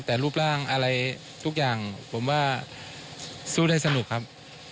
แต่รูปร่างอะไรทุกอย่างผมว่าสู้ได้สนุกครับ